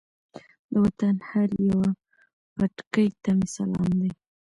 د وطن هر یوه پټکي ته مې سلام دی.